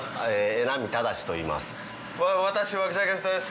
榎並正といいます。